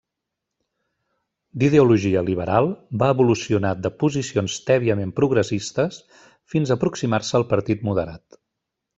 D'ideologia liberal, va evolucionar de posicions tèbiament progressistes fins a aproximar-se al Partit Moderat.